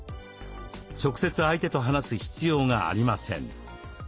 直接相手と話す必要がありません。